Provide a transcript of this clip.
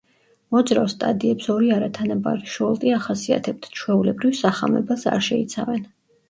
მოძრავ სტადიებს ორი არათანაბარი შოლტი ახასიათებთ, ჩვეულებრივ, სახამებელს არ შეიცავენ.